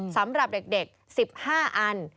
สำหรับเด็ก๑๕อัน